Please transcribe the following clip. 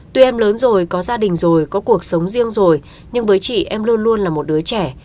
tuy em lớn rồi có gia đình rồi có cuộc sống riêng rồi nhưng với chị em luôn luôn là một đứa trẻ